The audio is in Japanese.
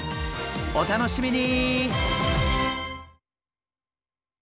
お楽しみに！